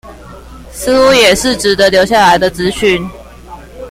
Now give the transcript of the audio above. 似乎也是值得留下來的資訊